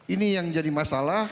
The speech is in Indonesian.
ini yang jadi masalah